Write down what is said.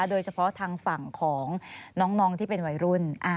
โดยเฉพาะทางฝั่งของน้องที่เป็นวัยรุ่น